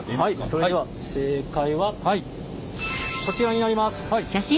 それでは正解はこちらになります。